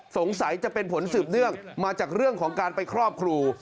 สงสัยจะเป็นผลสืบเนื่องมาจากเรื่องของการไปครอบครู